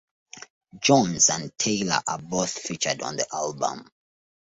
Jones and Taylor are both featured on the album.